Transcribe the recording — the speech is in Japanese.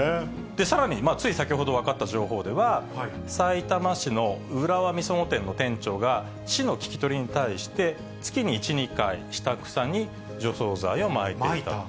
さらに、つい先ほど、分かった情報では、さいたま市の浦和美園店の店長が、市の聞き取りに対して、月に１、２回、下草に除草剤をまいていた。